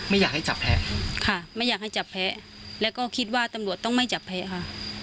ไม่อยากให้จับแพ้ค่ะไม่อยากให้จับแพ้แล้วก็คิดว่าตำรวจต้องไม่จับแพ้ค่ะ